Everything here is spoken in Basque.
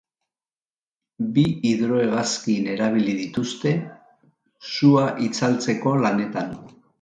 Bi hidrohegazkin erabili dituzte sua itzaltzeko lanetan.